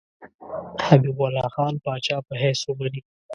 حبیب الله خان پاچا په حیث ومني.